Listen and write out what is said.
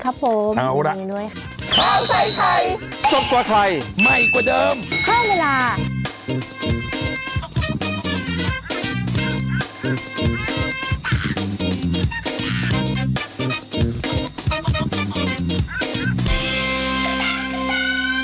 ข้อมูลล่ะ